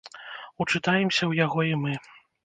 Учытаемся ў яго і мы.